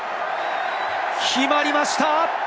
決まりました！